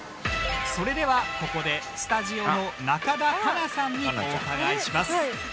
それではここでスタジオの中田花奈さんにお伺いします。